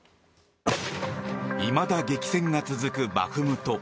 いまだ激戦が続くバフムト。